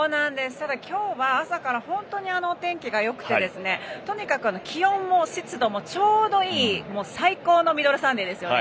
ただ今日は朝から本当にお天気がよくてとにかく気温も湿度もちょうどいい最高のミドルサンデーですよね。